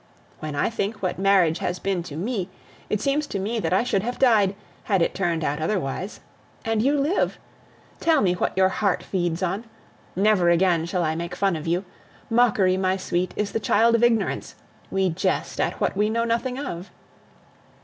When I think what marriage has been to me, it seems to me that I should have died, had it turned out otherwise. And you live! Tell me what your heart feeds on! Never again shall I make fun of you. Mockery, my sweet, is the child of ignorance; we jest at what we know nothing of.